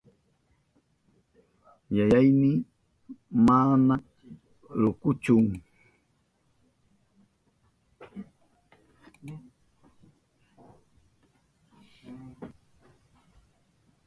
Yayayni mana rukuchu.